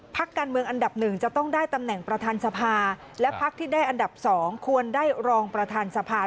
พักการเมืองอันดับหนึ่งจะต้องได้ตำแหน่งประธานสภาและพักที่ได้อันดับ๒ควรได้รองประธานสภา